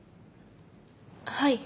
はい。